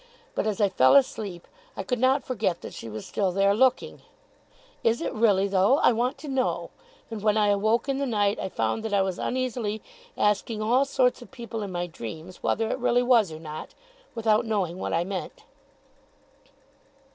But, as I fell asleep, I could not forget that she was still there looking, 'Is it really, though? I want to know'; and when I awoke in the night, I found that I was uneasily asking all sorts of people in my dreams whether it really was or not without knowing what I meant.